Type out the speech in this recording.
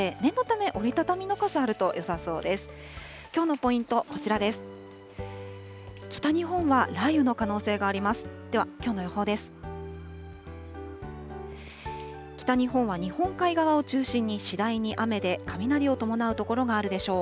北日本は日本海側を中心に次第に雨で、雷を伴う所があるでしょう。